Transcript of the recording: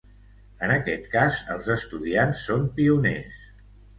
En aquest cas, els estudiants són pioners.